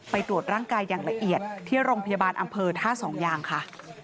ตรวจร่างกายอย่างละเอียดที่โรงพยาบาลอำเภอท่าสองยางค่ะ